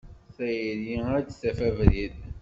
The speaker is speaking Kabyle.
Tayri ad d-taf abrid.